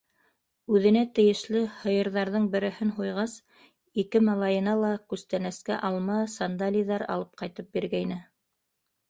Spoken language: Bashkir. Үҙенә тейешле һыйырҙарҙың береһен һуйғас, ике малайына ла күстәнәскә алма, сандалиҙар алып ҡайтып биргәйне.